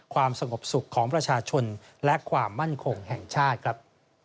ความสงบสุขของประชาชนและความมั่นคงแห่งชาติครับ